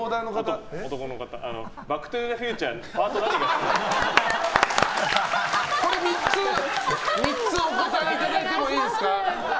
「バック・トゥ・ザ・フューチャー」はこれ３つお答えいただいていいですか。